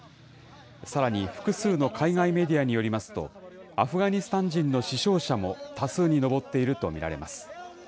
さらに複数の海外メディアによりますと、アフガニスタン人の死傷者も多数に上っていると見られます。